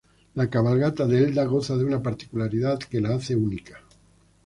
La cabalgata de Elda goza de una particularidad que la hace única.